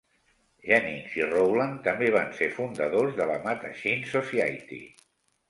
Jennings i Rowland també van ser fundadors de la Mattachine Society.